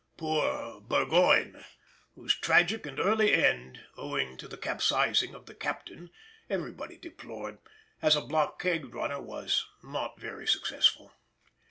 Poor Burgoyne—whose tragic and early end, owing to the capsizing of the Captain, everybody deplored—as a blockade runner was not very successful.